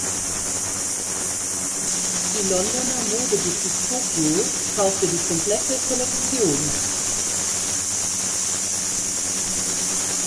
Die Londoner Modeboutique "Tokio" kaufte die komplette Kollektion.